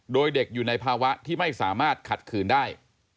โดยเด็กอยู่ในภาวะที่ไม่สามารถขัดขืนได้